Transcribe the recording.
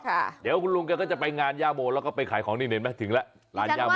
เดี๋ยวคุณลุงแกก็จะไปงานย่าโมแล้วก็ไปขายของนี่เห็นไหมถึงแล้วร้านย่าโม